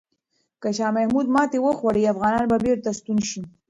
که شاه محمود ماتې وخوري، افغانان به بیرته ستون شي.